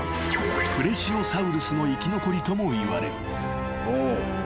プレシオサウルスの生き残りともいわれる］